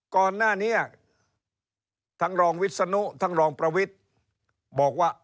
ก่อนหน้านี้ทั้งรองวิศนุทั้งรองประวิทย์บอกว่า